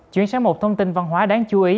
chuyển sang một thông tin văn hóa đáng chú ý